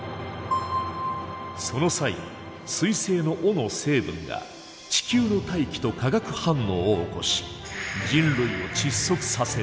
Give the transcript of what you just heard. その際彗星の尾の成分が地球の大気と化学反応を起こし人類を窒息させる。